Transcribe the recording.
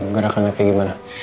gerakan laki laki gimana